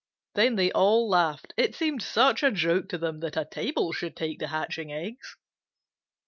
Then they all laughed. It seemed such a joke to them that a table should take to hatching eggs.